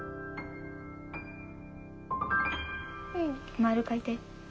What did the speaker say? まる描いて。